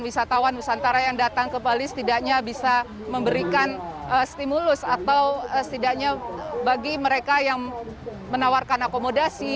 wisatawan nusantara yang datang ke bali setidaknya bisa memberikan stimulus atau setidaknya bagi mereka yang menawarkan akomodasi